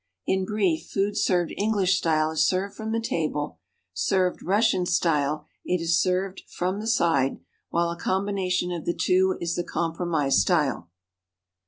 In brief, food served English style is served from the table; served Russian style, it is served "from the side," while a combination of the two is the compromise style.